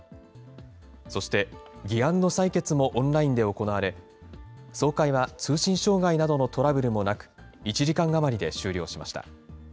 そして議案の採決もオンラインで行われ、総会は通信障害などのトラブルもなく、１時間余りで終了しました。